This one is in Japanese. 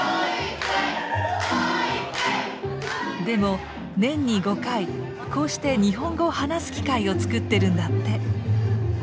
でも年に５回こうして日本語を話す機会を作ってるんだって。